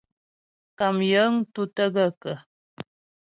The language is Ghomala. Kàm yəŋ tútə́ gaə̂kə̀ ?